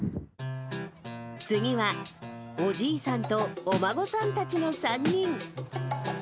次は、おじいさんとお孫さんたちの３人。